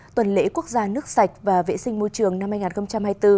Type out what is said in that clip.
tuần lễ quốc gia nước sạch và vệ sinh môi trường năm hai nghìn hai mươi bốn